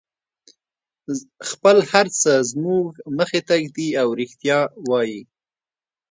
خپل هر څه زموږ مخې ته ږدي او رښتیا وایي.